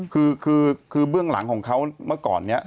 คือคือเบื้องหลังของเขาเมื่อก่อนนี้